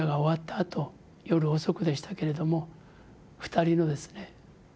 あと夜遅くでしたけれども２人のですね